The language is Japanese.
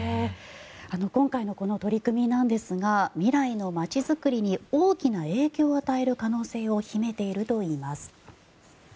今回のこの取り組みなんですが未来の街づくりに大きな影響を与える可能性を秘めているといいます。